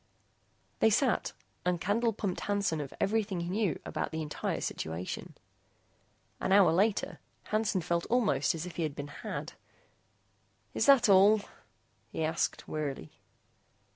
They sat and Candle pumped Hansen of everything he knew about the entire situation. An hour later, Hansen felt almost as if he had been had. "Is that all?" he asked, wearily.